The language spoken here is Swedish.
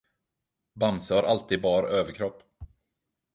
Bamse har alltid bar överkropp.